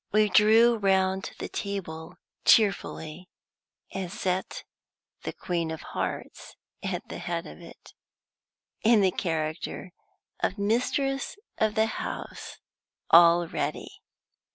We drew round the table cheerfully, and set the Queen of Hearts at the head of it, in the character of mistress of the house already.